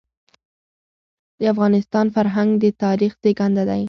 د افغانستان فرهنګ د تاریخ زېږنده دی.